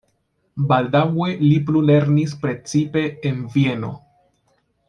Baldaŭe li plulernis precipe en Vieno.